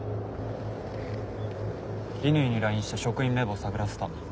乾にＬＩＮＥして職員名簿探らせた。